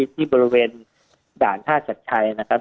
ที่บริเวณด่านท่าชัดชัยนะครับ